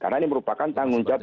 karena ini merupakan tanggung jawab